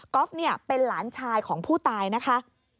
กอฟเป็นหลานชายของผู้ตายนะคะ